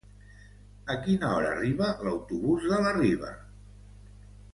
A quina hora arriba l'autobús de la Riba?